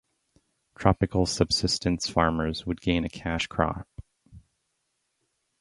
Tropical subsistence farmers would gain a cash crop.